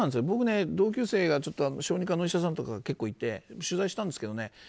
僕、同級生が小児科のお医者さんとか結構いて取材したんですけどね